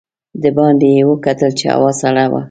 د باندې یې وکتل چې هوا سړه وه.